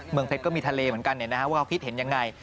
เมืองเพชรก็มีทะเลเหมือนกันว่าคิดเห็นอย่างไร